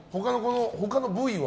他の部位は？